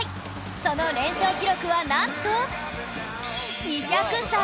その連勝記録はなんと ２０３！